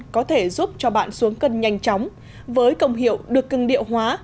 có thể giúp cho bạn xuống cân nhanh chóng với công hiệu được cưng điệu hóa